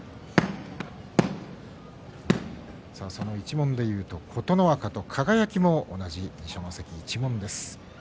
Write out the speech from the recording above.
その一門でいうと琴ノ若と輝も同じ二所ノ関一門です。